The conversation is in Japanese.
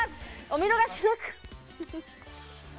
お見逃しなく！